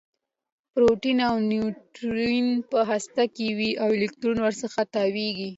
پروټون او نیوټرون په هسته کې وي او الکترون ورڅخه تاویږي